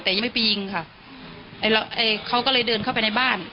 แต่ยังไม่ไปยิงค่ะเขาก็เลยเดินเข้าไปในบ้าน